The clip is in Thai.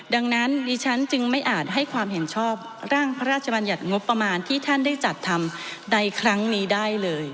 ดังนั้นดิฉันจึงไม่อาจให้ความเห็นชอบร่างพระราชบัญญัติงบประมาณที่ท่านได้จัดทำใดครั้งนี้ได้เลย